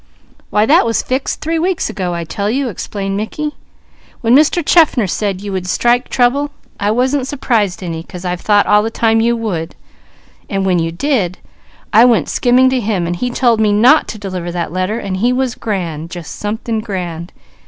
"Why that was fixed three weeks ago, I tell you," explained Mickey. "When Mr. Chaffner said you would strike trouble, I wasn't surprised any, 'cause I've thought all the time you would; and when you did, I went skinning to him, and he told me not to deliver that letter; and he was grand, just something grand!